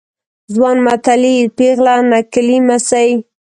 ځوان متلي ، پيغله نکلي مه سي.